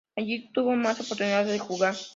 Allí tuvo más oportunidades de jugar.